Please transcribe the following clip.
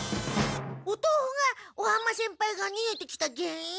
おとうふが尾浜先輩がにげてきた原因？